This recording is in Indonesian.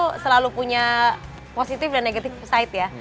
hanya positif dan negatif side ya